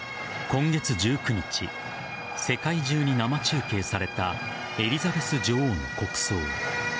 今月１９日世界中に生中継されたエリザベス女王の国葬。